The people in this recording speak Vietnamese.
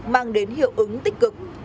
mang đến hiệu ứng tích cực